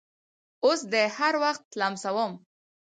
اوس دې هر وخت لمسوم